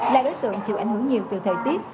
là đối tượng chịu ảnh hưởng nhiều từ thời tiết